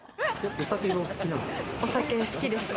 お酒、好きですね。